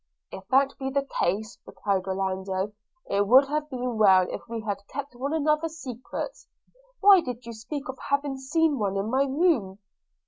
'If that be the case,' replied Orlando, 'it would have been well if we had kept one another's secrets. Why did you speak of having seen one in my room?'